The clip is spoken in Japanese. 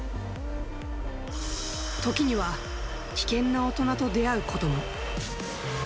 ときには、危険な大人と出会うことも。